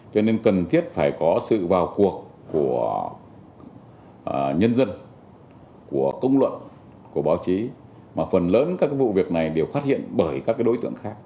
cho nên cần thiết phải có sự vào cuộc của nhân dân của công luận của báo chí mà phần lớn các vụ việc này đều phát hiện bởi các đối tượng khác